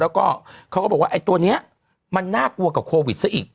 แล้วก็เขาก็บอกว่าไอ้ตัวนี้มันน่ากลัวกับโควิดซะอีก